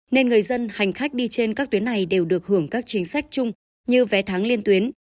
nên người dân hành khách đi trên các tuyến này đều được hưởng các chính sách chung như vé thắng liên tuyến